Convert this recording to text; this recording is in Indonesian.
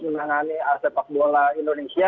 menangani sepak bola indonesia